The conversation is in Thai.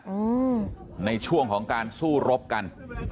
อืมในช่วงของการสู้รบกัน